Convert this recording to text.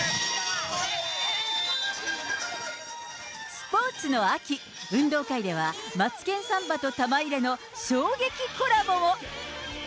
スポーツの秋、運動会ではマツケンサンバと玉入れの衝撃コラボも。